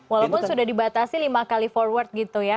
walaupun sudah dibatasi lima kali forward gitu ya